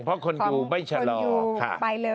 เพราะคนอยู่ไม่ชะลอ